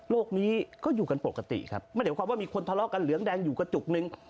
นี้ก็อยู่กันปกติครับไม่ได้ความว่ามีคนทะเลาะกันเหลืองแดงอยู่กระจุกนึง